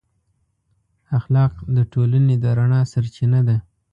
اخلاق د ټولنې د رڼا سرچینه ده.